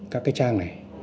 các cái trang này